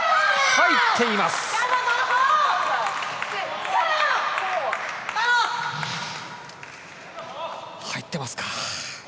入ってますか。